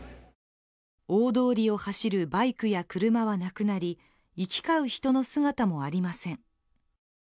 大通りを走るバイクや車はなくなり行き交う人の姿もありません。